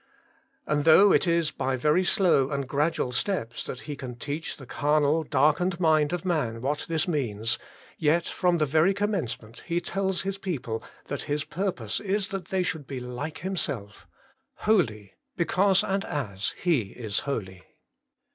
And though it is by very slow and gradual steps that He can teach the carnal darkened mind of man what this means, yet from the very commencement He tells His people that His purpose is that they should be like Himself holy because and as He is holy.